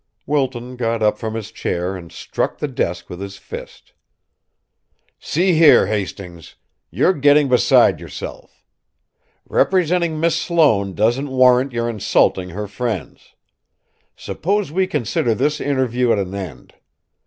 Wilton got up from his chair and struck the desk with his fist. "See here, Hastings! You're getting beside yourself. Representing Miss Sloane doesn't warrant your insulting her friends. Suppose we consider this interview at an end.